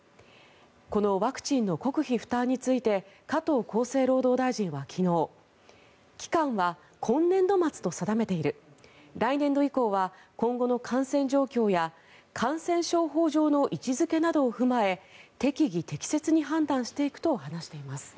このワクチンの国費負担について加藤厚生労働大臣は昨日期間は今年度末と定めている来年度以降は今後の感染状況や感染症法上の位置付けなどを踏まえ適宜、適切に判断していくと話しています。